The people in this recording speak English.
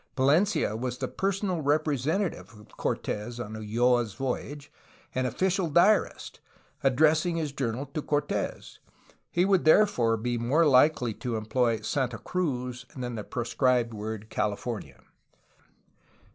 Palencia was the personal representative of Cortes on Ulloa's voyage and official diar ist, addressing his journal to Cortes. He would therefore be more likely to employ ''Santa Cruz'^ than the proscribed word "Calif ornia.